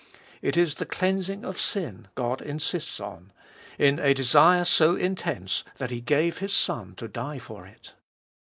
It is the cleansing of sin God insists on ; in a desire so intense that He gave His Son to die for it